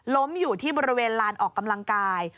อยู่ที่บริเวณลานออกกำลังกาย